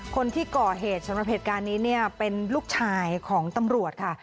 คนที่ก่อเหตุสำหรับเหตุการณ์นี้เนี่ยเป็นลูกชายของตำรวจค่ะ